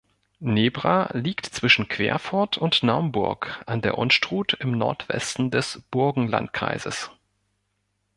Nebra liegt zwischen Querfurt und Naumburg an der Unstrut im Nordwesten des Burgenlandkreises.